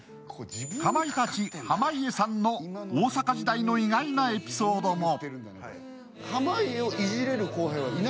かまいたち濱家さんの大阪時代の意外なエピソードも。